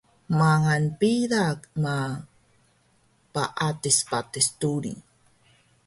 mangal pila ma paadis patis duri